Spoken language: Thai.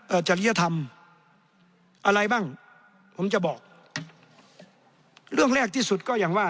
จริยธรรมอะไรบ้างผมจะบอกเรื่องแรกที่สุดก็อย่างว่า